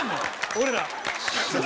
俺ら。